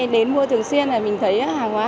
đến mua thường xuyên là mình thấy hàng hóa